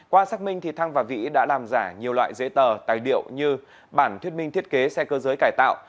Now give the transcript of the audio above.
qua xác minh thăng và vĩ đã làm giả nhiều loại giấy tờ tài liệu như bản thuyết minh thiết kế xe cơ giới cải tạo